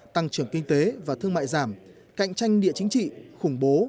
tăng trưởng kinh tế và thương mại giảm cạnh tranh địa chính trị khủng bố